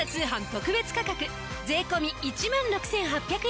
特別価格税込１万６８００円です。